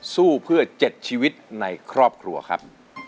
สู้เพื่อ๗ชีวิตในครอบครัวครับ